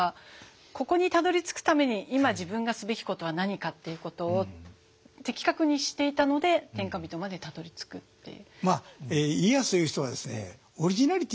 ここにたどりつくために今自分がすべきことは何かっていうことを的確に知っていたので天下人までたどりつくっていう。